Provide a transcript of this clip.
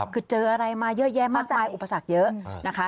คือเจออะไรมาเยอะแยะมากมายอุปสรรคเยอะนะคะ